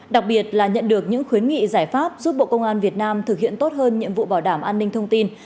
đặc biệt là nhận được những khuyến nghị giải pháp giúp bộ công an việt nam thực hiện tốt hơn nhiệm vụ bảo đảm an ninh thông tin